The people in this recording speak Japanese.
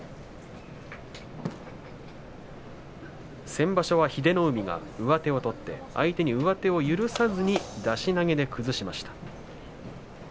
先場所は英乃海が上手を取って相手に上手を許さずに出し投げで崩しました。